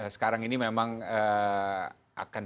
sekarang ini memang akan